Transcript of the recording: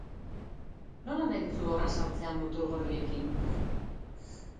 Nola nahi duzu horra sartzea mutur gorriekin?